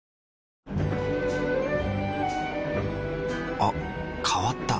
あ変わった。